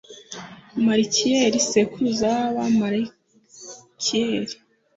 malikiyeli sekuruza w’abamalikiyeli.